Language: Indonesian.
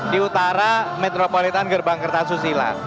para metropolitan gerbang kertasusila